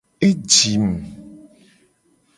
E jim.